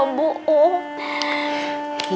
aku beneran ma